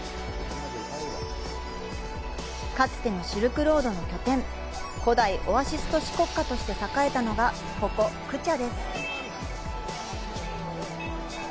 かつてのシルクロードの拠点、古代オアシス都市国家として栄えたのが、ここ、クチャです。